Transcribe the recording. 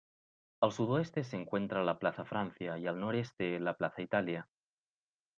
Al sudoeste se encuentra la Plaza Francia y al noreste la Plaza Italia.